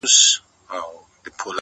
• د سېلیو هیبتناکه آوازونه,